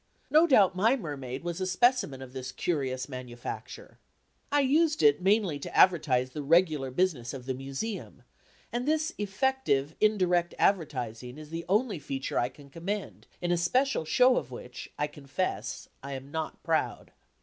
No doubt my mermaid was a specimen of this curious manufacture. I used it mainly to advertise the regular business of the Museum, and this effective indirect advertising is the only feature I can commend, in a special show of which, I confess, I am not proud.